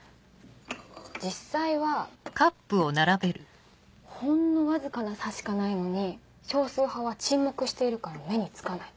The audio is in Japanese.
実際はほんのわずかな差しかないのに少数派は沈黙しているから目につかない。